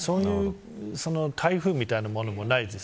台風みたいなものもないです。